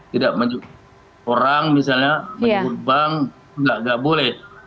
tidak menjual orang misalnya menjual bank nggak boleh